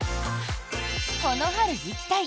この春行きたい！